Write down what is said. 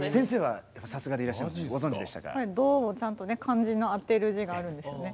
「ド」もちゃんと漢字の当てる字があるんですよね。